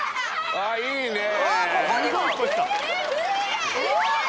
あいいねえ